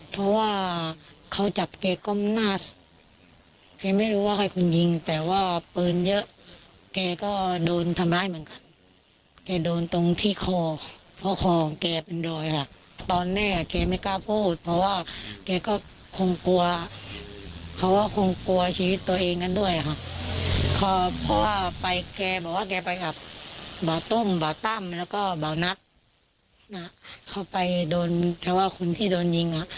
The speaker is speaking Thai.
แล้วก็เบาตั้งเราไปโดนใครว่าคนที่โดนยิง